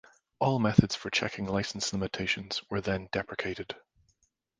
All methods for checking license limitations were then deprecated.